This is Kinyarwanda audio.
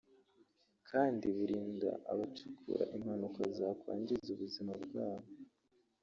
kandi burinda abacukura impanuka zakwangiza ubuzima bwabo